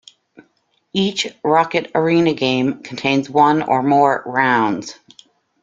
Each "Rocket Arena" game contains one or more rounds.